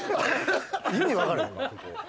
意味わからへんわ。